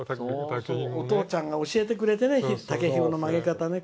お父ちゃんが教えてくれてね竹ひごの曲げ方をね。